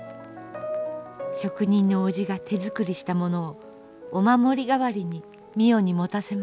職人の叔父が手作りしたものをお守り代わりに美世に持たせます。